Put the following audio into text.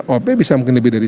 o p bisa mungkin lebih dari